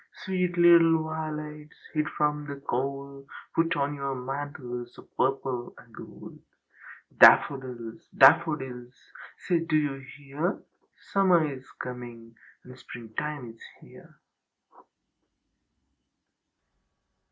Sweet little violets hid from the cold, Put on your mantles of purple and gold ! Daffodils! Daffodils! Say, do you hear? Summer is coming and springtime is here."